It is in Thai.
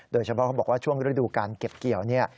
โดยเฉพาะเขาบอกว่าช่วงฤดูการเก็บเกี่ยวเนี่ย